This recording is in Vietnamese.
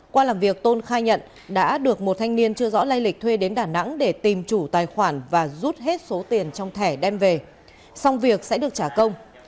qua làm việc tôn khai nhận đã được một thanh niên chưa rõ lây lịch thuê đến đà nẵng để tìm chủ tài khoản và rút hết số tiền trong thẻ đem về xong việc sẽ được trả công